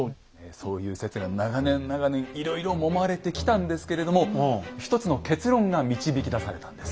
そういう説が長年長年いろいろもまれてきたんですけれども一つの結論が導き出されたんです。